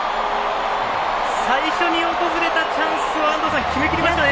最初に訪れたチャンスを安藤さん、決めきりましたね。